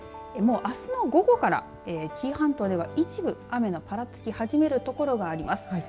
もうあすの午後から紀伊半島では一部、雨のぱらつき始める所があります。